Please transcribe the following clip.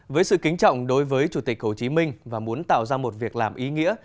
với sự kính trọng đối với chủ tịch hồ chí minh và muốn tạo ra một việc làm ý nghĩa